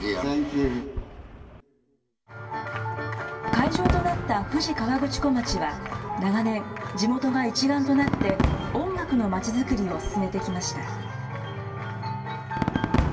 会場となった富士河口湖町は、長年、地元が一丸となって、音楽のまちづくりを進めてきました。